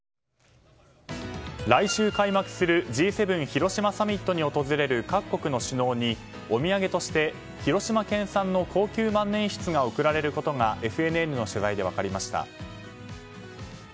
来週開幕するＧ７広島サミットに訪れる各国の首脳にお土産として広島県産の高級万年筆が贈られることがＦＮＮの取材で分かりました。